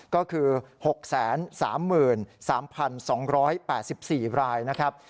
ก็คือ๖๓๓๒๘๔รายนะครับ